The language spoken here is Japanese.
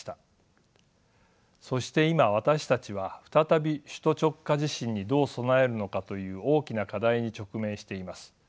そして今私たちは再び首都直下地震にどう備えるのかという大きな課題に直面しています。